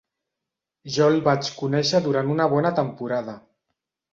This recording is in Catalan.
Jo el vaig conèixer durant una bona temporada.